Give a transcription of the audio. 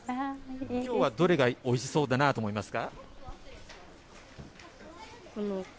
きょうはどれがおいしそうだなと思いますか。